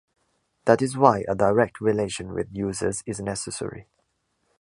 That is why a direct relation with users is necessary.